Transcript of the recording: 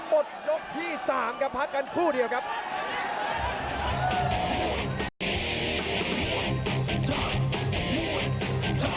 วันละหมดยกที่สามครับพัสต์กันคู่เดียวครับ